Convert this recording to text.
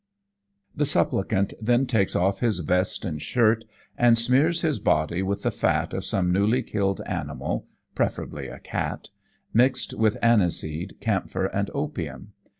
The supplicant then takes off his vest and shirt and smears his body with the fat of some newly killed animal (preferably a cat), mixed with aniseed, camphor, and opium.